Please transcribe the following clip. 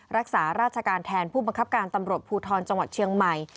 รักษาราชการแทนผู้บังคับการตำรวจภูทรจังหวัดเชียงใหม่